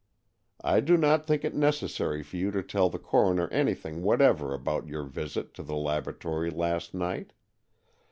I do not think it necessary for you to tell the coroner anything whatever about your visit to the laboratory last night.